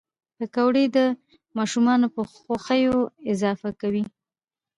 پکورې د ماشومانو په خوښیو اضافه کوي